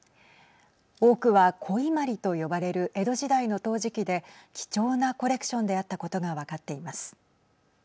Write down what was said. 多くは古伊万里と呼ばれる江戸時代の陶磁器で貴重なコレクションであったことが分かっています。